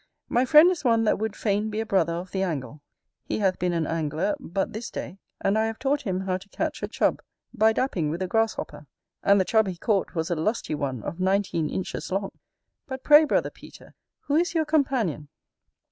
My friend is one that would fain be a brother of the angle: he hath been an angler but this day; and I have taught him how to catch a Chub, by dapping with a grasshopper; and the Chub he caught was a lusty one of nineteen inches long. But pray, brother Peter, who is your companion?